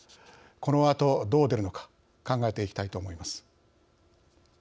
このあとどう出るのか考えていきたいと思います。